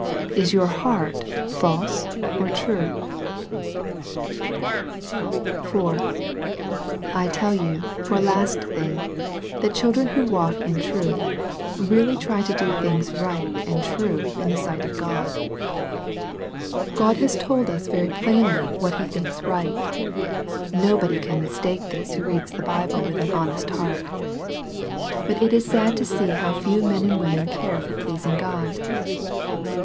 Is your heart false or true ? 4, I tell you, for a last thing, that children who walk in truth, really try to do things right and true in the sight of God^ 30 SERMONS FOR CHILDREN. God has told us very plainly what He thinks right Nobody can mistake this who reads the Bible with an honest heart But it is sad to see how few men and women care for pleasing God.